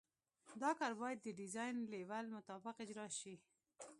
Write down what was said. دا کار باید د ډیزاین لیول مطابق اجرا شي